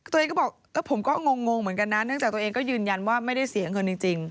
ตัวเองก็บอกผมก็งงเหมือนกันนะเนื่องจากตัวเองก็ยืนยันว่าไม่ได้เสียเงินจริง